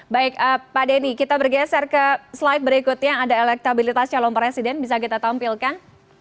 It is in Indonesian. baik pak denny kita bergeser ke slide berikutnya ada elektabilitas calon presiden bisa kita tampilkan